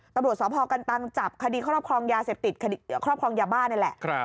ตำรวจสพกันตังจับคดีครอบครองยาเสพติดครอบครองยาบ้านี่แหละ